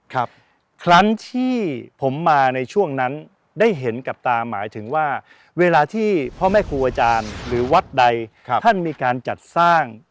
ครั้งที่ผมมาในช่วงนั้นได้เห็นกับตาหมายถึงว่าเวลาที่พ่อแม่ครูอาจารย์หรือวัดใดครับท่านมีการจัดสร้าง